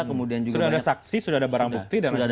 sudah ada saksi sudah ada barang bukti dan lain sebagainya